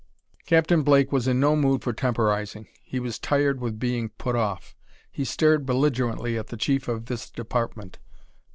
Captain Blake was in no mood for temporizing; he was tired with being put off. He stared belligerently at the chief of this department.